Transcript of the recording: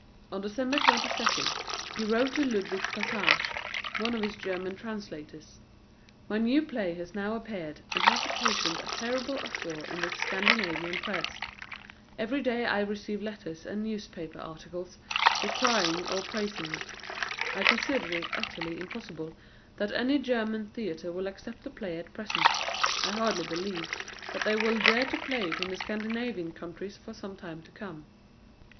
On December 22 he wrote to Ludwig Passarge, one of his German translators, "My new play has now appeared, and has occasioned a terrible uproar in the Scandinavian press; every day I receive letters and newspaper articles decrying or praising it.... I consider it utterly impossible that any German theatre will accept the play at present. I hardly believe that they will dare to play it in the Scandinavian countries for some time to come."